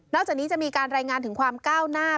จากนี้จะมีการรายงานถึงความก้าวหน้า